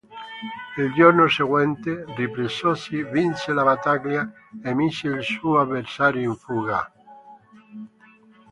Il giorno seguente, ripresosi, vinse la battaglia e mise il suo avversario in fuga.